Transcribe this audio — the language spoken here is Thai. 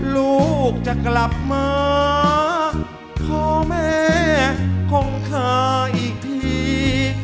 ลูกจะกลับมาพ่อแม่ของเธออีกที